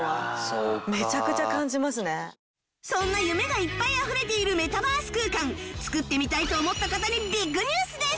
そんな夢がいっぱいあふれているメタバース空間作ってみたいと思った方にビッグニュースです！